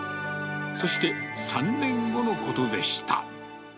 そして、３年後のことでした。